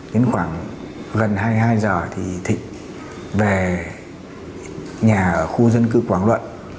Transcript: khiến khoảng gần hai mươi hai h thì thịnh về nhà ở khu dân cư quảng luận